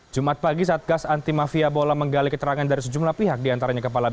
jumat pagi satgas anti mafia bola menggali keterangan dari sejumlah pihak